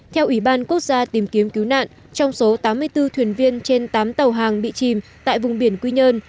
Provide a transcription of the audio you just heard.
theo ủy ban quốc gia tìm kiếm cứu nạn trong số tám mươi bốn thuyền viên trên tám tàu hàng bị chìm tại vùng biển quy nhơn